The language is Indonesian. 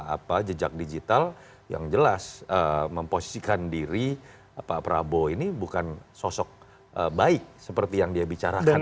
apa jejak digital yang jelas memposisikan diri pak prabowo ini bukan sosok baik seperti yang dia bicarakan